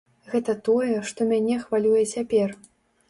Гэта тое, што мяне хвалюе цяпер.